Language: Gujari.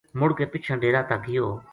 مُڑ کے پِچھاں ڈیرا تا گیو